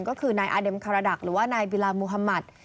ก็คือนายอาเด็มคาราดักหรือว่านายบิลามุธมัติ